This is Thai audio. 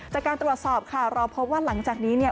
จากการตรวจสอบค่ะเราพบว่าหลังจากนี้เนี่ย